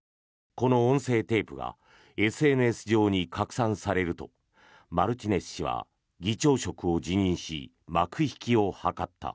この音声テープがＳＮＳ上に拡散されるとマルティネス氏は議長職を辞任し幕引きを図った。